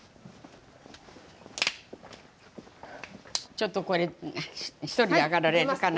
ちょっとこれひとりで上がられるかな。